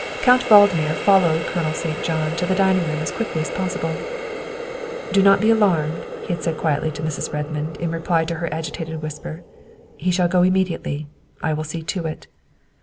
Count Valdmir followed Colonel St. John to the dining room as quickly as possible. " Do not be alarmed," he had said quietly to Mrs. Redmond in reply to her agitated whisper, " he shall go immediately. I will see to it."